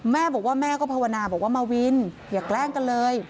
แม่บอกว่าแม่ก็ภาวนาบอกว่ามาวินอย่าแกล้งกันเลย